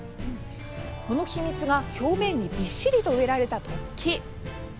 その秘密が表面にびっしりと植えられた突起。